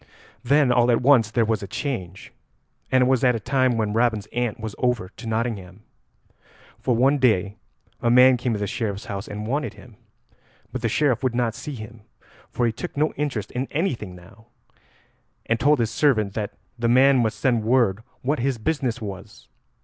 Then all at once there was a change, and it was at a time when Robin's aunt was over to Nottingham. For one day a man came to the Sheriff's house and wanted him. But the Sheriff would not see him, for he took no interest in anything now, and told his servant that the man must send word what his business was.